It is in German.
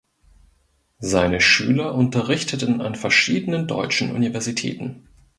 Seine Schüler unterrichteten an verschiedenen deutschen Universitäten.